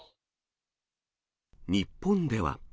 日本では。